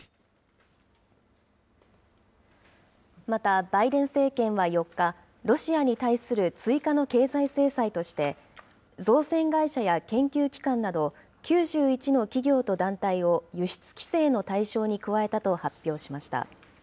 またバイデン政権は４日、ロシアに対する追加の経済制裁として、造船会社や研究機関など、９１の企業と団体を輸出規制の対象に加えたと発表しました。